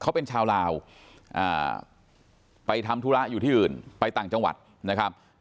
เขาเป็นชาวลาวไปทำธุระอยู่ที่อื่นไปต่างจังหวัดนะครับ